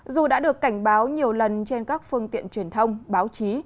dù đã được cảnh báo nhiều lần trên các phương tiện truyền thông báo chí